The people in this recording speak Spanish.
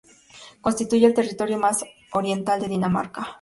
Constituye el territorio más oriental de Dinamarca.